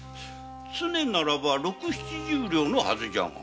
常ならば六七十両のはずじゃ。